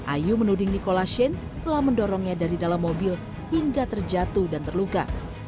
ayu menuding nikola shane telah mendorongnya dari dalam mobil hingga terjatuh dan terluka